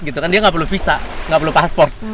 dia gak perlu visa gak perlu pasport